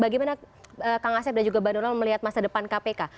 bagaimana kang asep dan juga bang donald melihat masa depan kpk